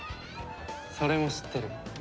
それも知ってる。